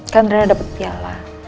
kan rena dapet piala